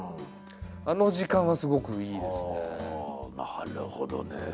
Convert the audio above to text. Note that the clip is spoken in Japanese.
なるほどね。